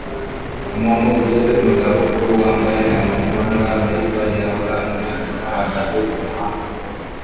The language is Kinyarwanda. Umuntu ugeze mu za bukuru wambaye amacunga meza ya orange ahagaze kumuhanda